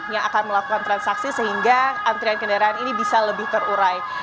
yang akan melakukan transaksi sehingga antrian kendaraan ini bisa lebih terurai